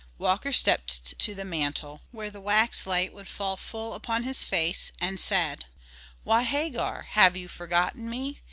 Walker stepped to the mantel where the wax light would fall full upon his face, and said: "Why, Hagar, have you forgotten me?